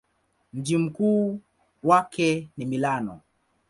Mji mkuu wake ni Milano.